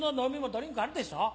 ドリンクあるでしょう。